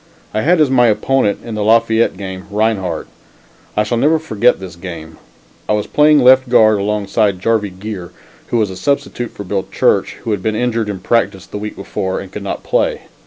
I had as my opponent in the Lafayette game, Rinehart. I shall never forget this game. I was playing left guard alongside of Jarvie Geer, who was a substitute for Bill Church, who had been injured in practice the week before and could not play.